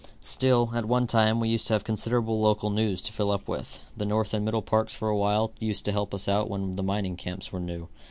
Still, at one time we used to have considerable local news to fill up with. The north and middle parks for a while used to help us out when the mining camps were new.